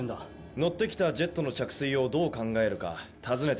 乗ってきたジェットの着水をどう考えるか尋ねている。